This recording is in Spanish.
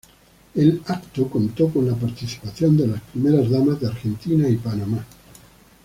El evento contó con la participación de las primeras damas de Argentina y Panamá.